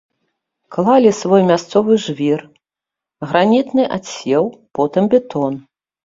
Клалі свой, мясцовы жвір, гранітны адсеў, потым бетон.